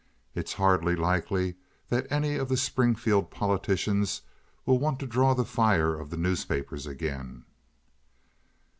It's hardly likely that any of the Springfield politicians will want to draw the fire of the newspapers again."